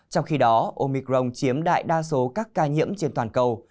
trong khi đó omicron chiếm đại đa số các ca nhiễm trên toàn cầu